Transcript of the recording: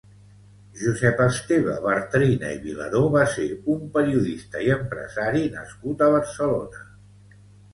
Josep Esteve Bartrina i Vilaró va ser un periodista i empresari nascut a Barcelona.